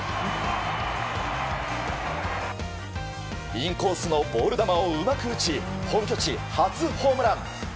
インコースのボール球をうまく打ち本拠地初ホームラン。